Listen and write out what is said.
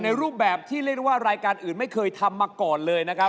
รูปแบบที่เรียกได้ว่ารายการอื่นไม่เคยทำมาก่อนเลยนะครับ